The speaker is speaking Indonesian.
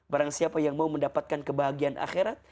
barang siapa yang mau mendapatkan kebahagiaan akhirat